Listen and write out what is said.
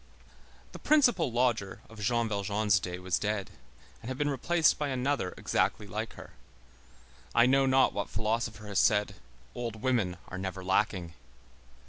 The "principal lodger" of Jean Valjean's day was dead and had been replaced by another exactly like her. I know not what philosopher has said: "Old women are never lacking."